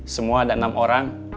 semua ada enam orang